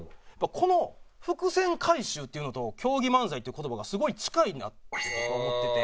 この伏線回収っていうのと競技漫才っていう言葉がすごい近いなって僕は思ってて。